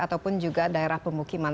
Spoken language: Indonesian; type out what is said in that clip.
ataupun juga daerah pemukiman